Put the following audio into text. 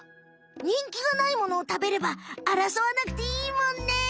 にんきがないものを食べればあらそわなくていいもんね。